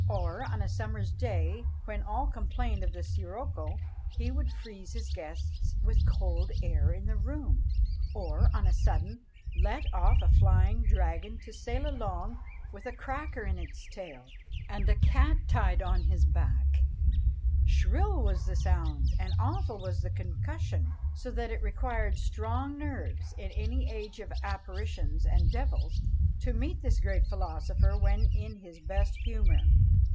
or on a summer's day, when all complained of the sirocco, he would freeze his guests with cold air in the room; or, on a sudden, let off a flying dragon to sail along with a cracker in its tail, and a cat tied on his back; shrill was the sound, and awful was the concussion; so that it required strong nerves, in an age of apparitions and devils, to meet this great philosopher when in his best humour.